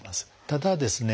ただですね